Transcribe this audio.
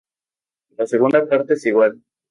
La segunda parte es igual.